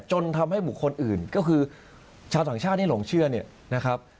จนทำให้บุคคลอื่นก็คือชาวต่างชาติที่หลงเชื่อเนี่ยนะครับ